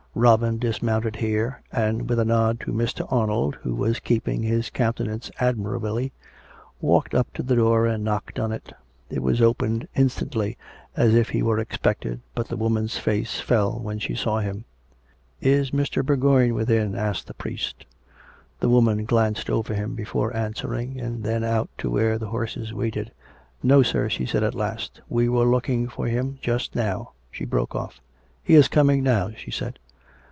Robin dismounted here, and, with a nod to Mr. Arnold, who was keeping his countenance admirably, walked up to the door and knocked on it. It was opened instantly, as if he were expected, but the woman's face fell when she saw him. COME RACK! COME ROPE! 295 "Is Mr. Bourgoign within?" asked the priest. The woman glanced over him before answering, and then out to where the horses waited. " No, sir," she said at last. " We were looking for him just now ..." (She broke off.) " He is coming now," she said.